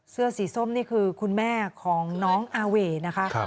เสื้อสีส้มนี่คือคุณแม่ของน้องอาเว่นะคะ